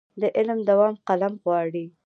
د علم دوام قلم غواړي.